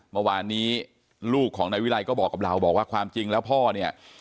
เมื่อวานนี้ลูกของนายวิรัยก็บอกกับเราบอกว่าความจริงแล้วพ่อเนี่ย